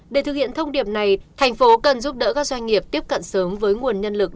để thực hiện thông điệp này thành phố cần giúp đỡ các doanh nghiệp tiếp cận sớm với nguồn nhân lực